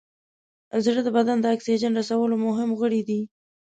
زړه د بدن د اکسیجن رسولو مهم غړی دی.